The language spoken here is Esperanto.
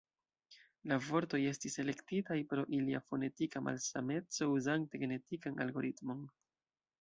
La vortoj estis elektitaj pro ilia fonetika malsameco uzante genetikan algoritmon.